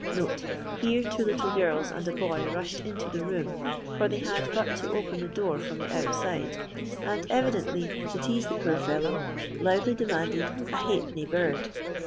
[Here two little girls and a boy rushed into the room, for they had but to open the door from the outside, and, evidently to tease the poor fellow, loudly demanded " a ha'penny bird."